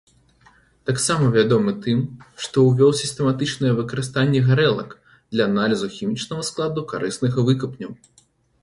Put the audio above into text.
Таксама вядомы тым, што ўвёў сістэматычнае выкарыстанне гарэлак для аналізу хімічнага складу карысных выкапняў.